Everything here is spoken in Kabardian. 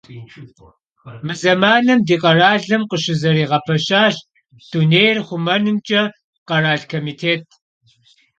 Mı zemanım di kheralım khışızerağepeşaş Dunêyr xhumenımç'e kheral komitêt.